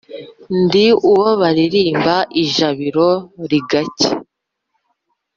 Ndi uwo baririmba ijabiro rigacya